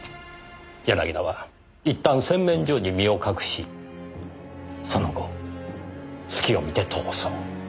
柳田は一旦洗面所に身を隠しその後隙を見て逃走。